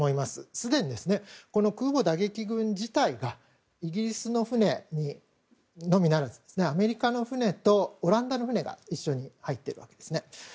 すでに空母打撃群自体がイギリスの船のみならずアメリカの船とオランダの船が一緒に入っているわけですね。